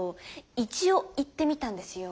一応行ってみたんですよー。